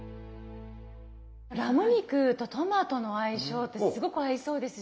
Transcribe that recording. ラム肉とトマトの相性ってすごく合いそうですし。